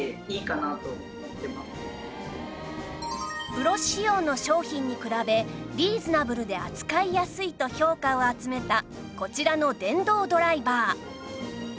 プロ仕様の商品に比べリーズナブルで扱いやすいと評価を集めたこちらの電動ドライバー